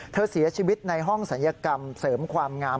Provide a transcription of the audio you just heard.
เสียชีวิตในห้องศัลยกรรมเสริมความงาม